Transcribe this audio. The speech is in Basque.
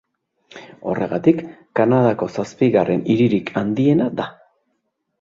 Horregatik, Kanadako zazpigarren hiririk handiena da.